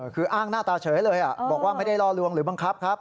คืออ้างหน้าตาเฉยเลยบอกว่าไม่ได้ล่อลวงหรือบังคับครับ